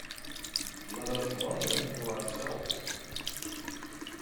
Let us run them for ourselves.